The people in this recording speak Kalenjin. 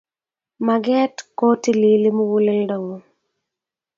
Maget kotilili muguleldo ngung